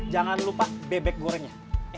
jangan lupa bebek gorengnya